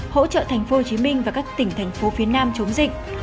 hỗ trợ tp hcm và các tỉnh thành phố phía nam chống dịch